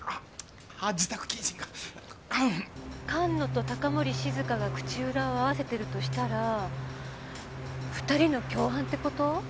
菅野と高森静香が口裏を合わせてるとしたら２人の共犯って事？